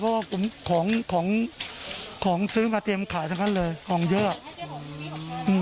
เพราะว่าผมของของซื้อมาเตรียมขายทั้งนั้นเลยของเยอะอืม